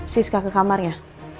siska ke kamarnya